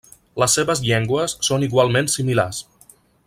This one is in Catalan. Les seves llengües són igualment similars.